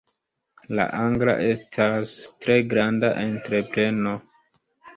La angla estas tre granda entrepreno.